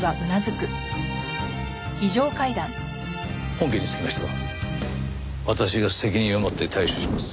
本件につきましては私が責任を持って対処します。